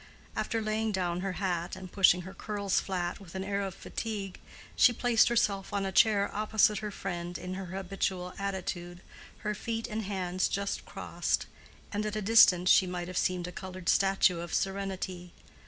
After laying down her hat and pushing her curls flat, with an air of fatigue, she placed herself on a chair opposite her friend in her habitual attitude, her feet and hands just crossed; and at a distance she might have seemed a colored statue of serenity.